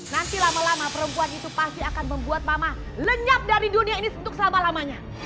nanti lama lama perempuan itu pasti akan membuat mama lenyap dari dunia ini untuk selama lamanya